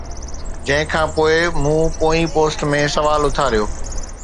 جنهن کان پوءِ مون پوئين پوسٽ ۾ سوال اٿاريو